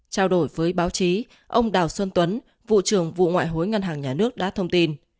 trao đổi với báo chí ông đào xuân tuấn vụ trưởng vụ ngoại hối ngân hàng nhà nước đã thông tin